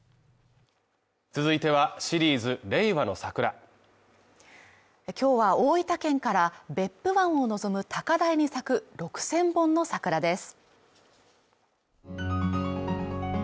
続いては、シリーズ「令和のサクラ」今日は大分県から別府湾を望む高台に咲く６，０００本の桜です。